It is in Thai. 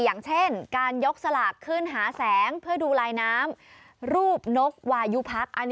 อย่างเช่นการยกสลากขึ้นหาแสงเพื่อดูลายน้ำรูปนกวายุพัก